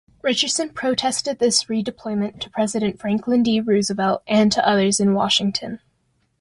Richardson protested this redeployment to President Franklin D. Roosevelt and to others in Washington.